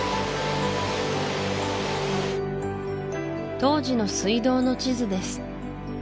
当時の水道の地図です